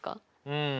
うん。